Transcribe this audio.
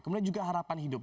kemudian juga harapan hidup